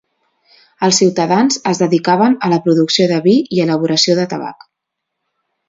Els ciutadans es dedicaven a la producció de vi i elaboració de tabac.